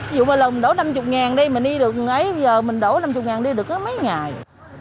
ví dụ mà mình đổ năm mươi đi mình đi được ngay giờ mình đổ năm mươi đi được mấy ngày